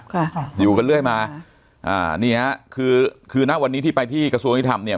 ค่ะค่ะอยู่กันเรื่อยมาอ่านี่ฮะคือคือณวันนี้ที่ไปที่กระทรวงยุทธรรมเนี่ย